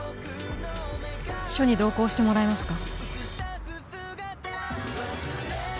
署に同行してもらえますか？